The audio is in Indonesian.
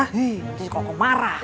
nanti kok marah